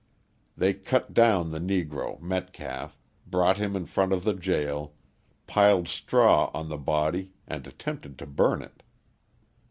They cut down the Negro, Metcalf, brought him in front of the jail, piled straw on the body and attempted to burn it.